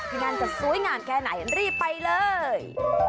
ที่นั่นจะสวยงามแค่ไหนรีบไปเลย